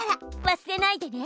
忘れないでね！